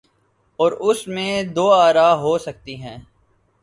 اوراس میں دو آرا ہو سکتی ہیں۔